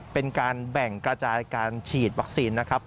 เป็นการแบ่งกระจายการฉีดวัคซีนนะครับ